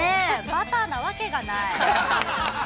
◆バターなわけがない。